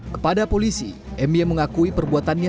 kepada polisi m y mengakui perbuatannya